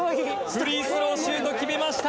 フリースローシュート決めました。